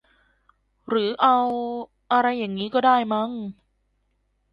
หรือเอา อะไรอย่างงี้ก็ได้มั้ง